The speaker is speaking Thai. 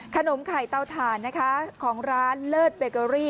ขนมไข่เตาถ่านนะคะของร้านเลิศเบเกอรี่